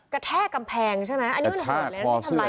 กระแท่กำแพงใช่ไหมอันนี้มันเหมือนเลยนะมันทำร้ายร่างกายไหม